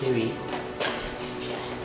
kau mau gjet kan